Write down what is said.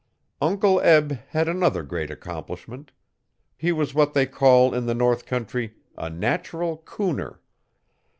Uncle Eb had another great accomplishment. He was what they call in the north country 'a natural cooner'.